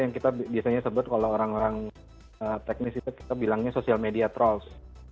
yang kita biasanya sebut kalau orang orang teknis itu kita bilangnya social media trolls